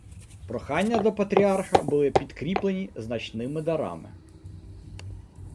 Прохання до патріарха були підкріплені значними дарами